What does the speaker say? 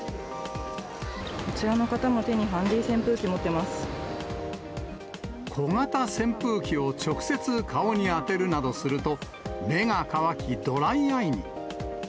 こちらの方も手にハンディ扇小型扇風機を直接顔に当てるなどすると、目が乾き、ドライアイに。